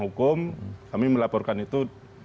hukum kami melaporkan itu